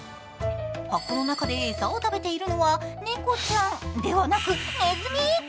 箱の中で餌を食べているのは猫ちゃんでは、なくねずみ！